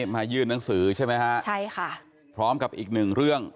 มายื่นหนังสือใช่ไหมฮะใช่ค่ะพร้อมกับอีกหนึ่งเรื่อง